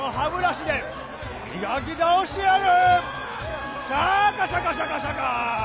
シャカシャカシャカシャカ！